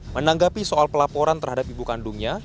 menanggapi soal pelaporan terhadap ibu kandungnya